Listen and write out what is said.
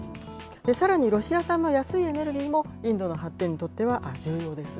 さらにロシア産の安いエネルギーも、インドの発展にとっては重要です。